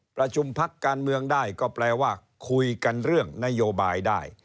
ประชุมพักการเมืองได้ก็แปลว่าคุยกันเรื่องนโยบายได้